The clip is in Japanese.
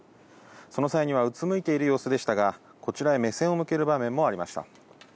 その際にはうつむいている様子でしたが、こちらへ目線を向ける場面もありました。